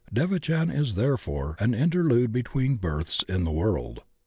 Devachan is therefore an interlude between births in the world.